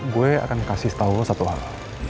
gue akan kasih tau lo satu hal